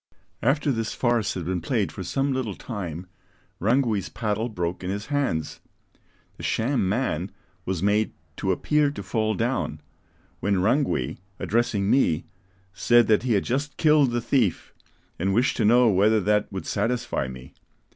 After this farce had been played for some little time, Rangui's paddle broke in his hands. The sham man was made to appear to fall down, when Rangui, addressing me, said that he had just killed the thief, and wished to know whether that would satisfy me.